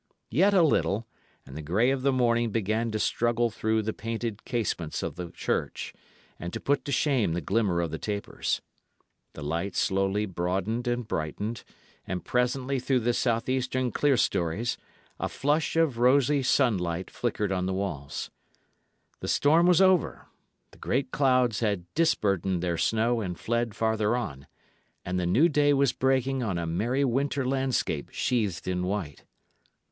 Yet a little, and the grey of the morning began to struggle through the painted casements of the church, and to put to shame the glimmer of the tapers. The light slowly broadened and brightened, and presently through the south eastern clerestories a flush of rosy sunlight flickered on the walls. The storm was over; the great clouds had disburdened their snow and fled farther on, and the new day was breaking on a merry winter landscape sheathed in white.